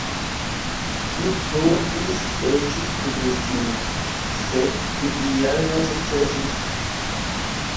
Mi provis esti kudristino, sed mi ial ne sukcesis!